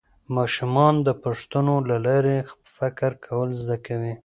ماشومان د پوښتنو له لارې فکر کول زده کوي